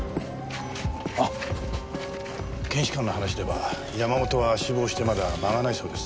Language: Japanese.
検視官の話では山本は死亡してまだ間がないそうです。